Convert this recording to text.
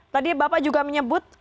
tadi bapak juga menyebut